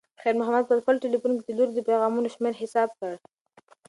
خیر محمد په خپل تلیفون کې د لور د پیغامونو شمېر حساب کړ.